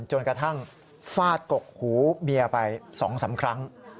จนกระทั่งฟาดกกหูเมียไป๒๓ครั้ง